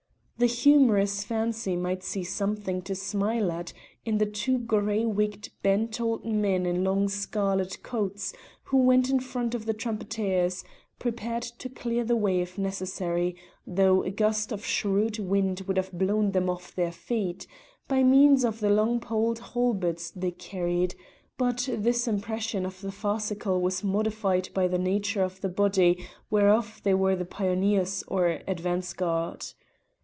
The humorous fancy might see something to smile at in the two grey wigged bent old men in long scarlet coats who went in front of the trumpeters, prepared to clear the way if necessary (though a gust of shrewd wind would have blown them off their feet), by means of the long poled halberts they carried; but this impression of the farcical was modified by the nature of the body whereof they were the pioneers or advance guard.